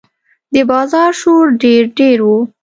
د بازار شور ډېر ډېر و.